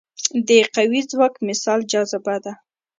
د قوي ځواک مثال جاذبه ده.